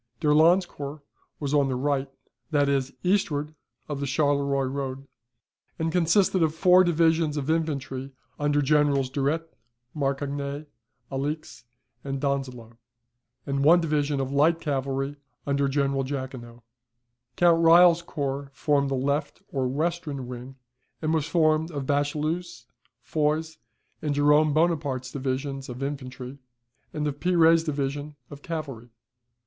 D'Erlon's corps was on the right, that is, eastward of the Charleroi road, and consisted of four divisions of infantry under Generals Durette, Marcognet, Alix, and Donzelot, and of one division of light cavalry under General Jaquinot. Count Reille's corps formed the left or western wing, and was formed of Bachelu's, Foy's, and Jerome Bonaparte's divisions of infantry, and of Pire's division of cavalry.